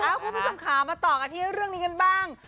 เอ้าครูผู้ชมขามาต่อกันที่จะได้ร่วมนี้กันบ้าง